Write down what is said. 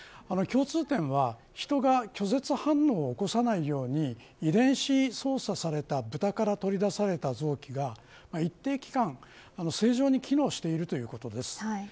共通点は人が拒絶反応を起こさないように遺伝子操作されたブタから取り出された臓器が一定期間正常に機能していることです。